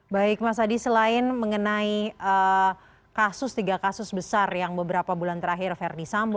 baik mas hadi selain mengenai kasus tiga kasus besar yang beberapa bulan terakhir vernisam